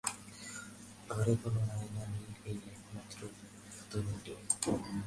ঘরে কোনো আয়না নেই-এই একমাত্র ত্রুটি।